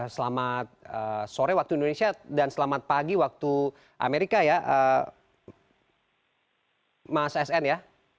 selamat sore waktu indonesia dan selamat pagi waktu amerika ya mas sn ya